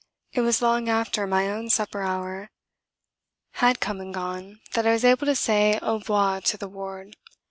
It was long after my own supper hour had come and gone that I was able to say au revoir to the ward.